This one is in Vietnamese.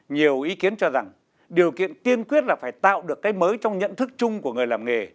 nhiều ý kiến cho rằng điều kiện tiên quyết là phải tạo được cái mới trong nhận thức chung của người làm nghề